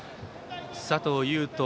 佐藤悠斗